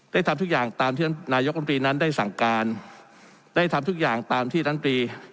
ได้ทำทุกอย่างตามที่นายกลุ่มปีนั้นได้สั่งการได้ทำทุกอย่างตามที่นั้นปี